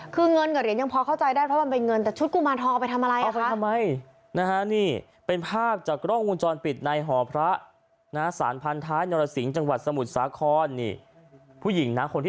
คือเงินกับเหรียญยังพอเข้าใจได้